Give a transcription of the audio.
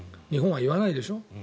日本は言わないでしょ。